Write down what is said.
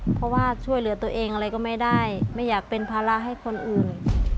เพราะว่าช่วยเหลือตัวเองอะไรก็ไม่ได้ไม่อยากเป็นภาระให้คนอื่น